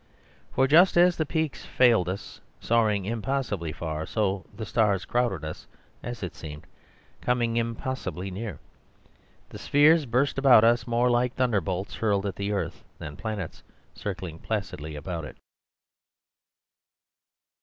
For just as the peaks failed us, soaring impossibly far, so the stars crowded us (as it seemed), coming impossibly near. The spheres burst about us more like thunderbolts hurled at the earth than planets circling placidly about it.